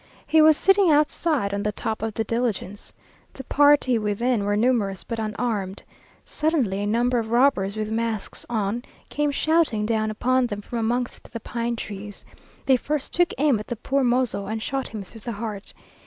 He was sitting outside, on the top of the diligence. The party within were numerous but unarmed. Suddenly a number of robbers with masks on came shouting down upon them from amongst the pine trees. They first took aim at the poor mozo, and shot him through the heart.